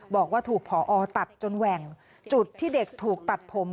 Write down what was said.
บอกว่าถูกพอตัดจนแหว่งจุดที่เด็กถูกตัดผม